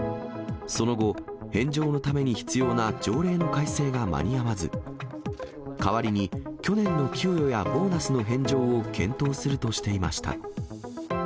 その後、返上のために必要な条例の改正が間に合わず、代わりに去年の給与やボーナスの返上を検討するとしていました。